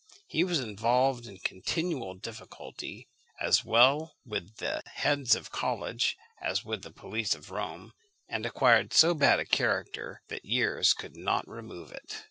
He was involved in continual difficulty, as well with the heads of the college as with the police of Rome, and acquired so bad a character that years could not remove it.